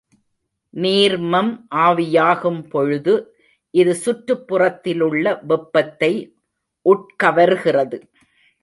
நீர்மம் ஆவியாகும்பொழுது, இது சுற்றுப் புறத்திலுள்ள வெப்பத்தை உட்கவர்கிறது.